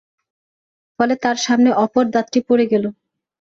ফলে তার সামনে অপর দাঁতটি পড়ে গেল।